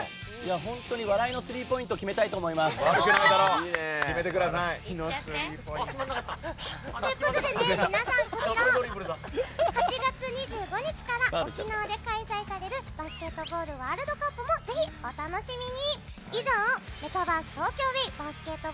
笑いのスリーポイント決めてください！ということで皆さん８月２５日から沖縄で開催されるバスケットボールワールドカップもぜひお楽しみに！